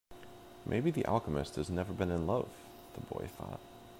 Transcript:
Maybe the alchemist has never been in love, the boy thought.